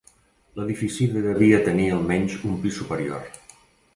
L'edifici devia tenir almenys un pis superior.